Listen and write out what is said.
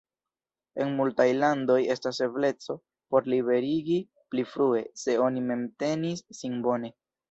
En multaj landoj estas ebleco por liberigi pli frue, se oni memtenis sin bone.